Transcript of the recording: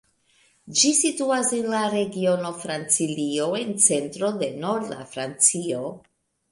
Ĝi situas en la regiono Francilio en centro de norda Francio.